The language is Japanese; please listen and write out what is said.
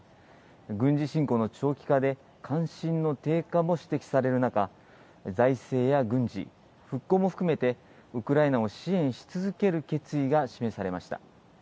軍事侵攻の長期化で、関心の低下も指摘される中、財政や軍事、復興も含めて、ウクライナを支援し続ける決意が示されました。